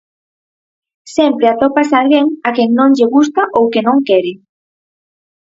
Sempre atopas alguén a quen non lle gusta ou que non quere.